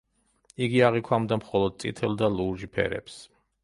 იგი აღიქვამდა მხოლოდ წითელ და ლურჯ ფერებს.